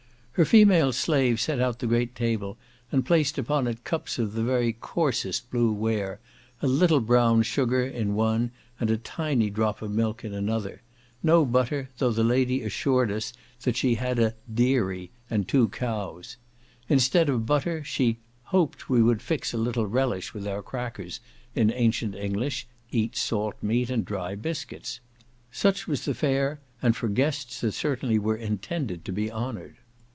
Her female slave set out the great table, and placed upon it cups of the very coarsest blue ware, a little brown sugar in one, and a tiny drop of milk in another, no butter, though the lady assured us she had a "deary" and two cows. Instead of butter, she "hoped we would fix a little relish with our crackers," in ancient English, eat salt meat and dry biscuits. Such was the fare, and for guests that certainly were intended to be honoured.